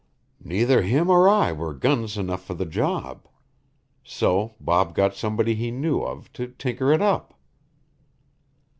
"Neither him or I were guns enough for the job. So Bob got somebody he knew of to tinker it up."